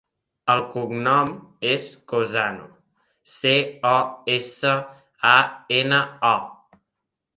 El cognom és Cosano: ce, o, essa, a, ena, o.